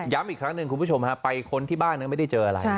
อีกครั้งหนึ่งคุณผู้ชมฮะไปค้นที่บ้านไม่ได้เจออะไร